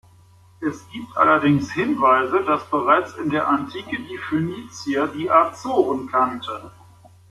Es gibt allerdings Hinweise, dass bereits in der Antike die Phönizier die Azoren kannten.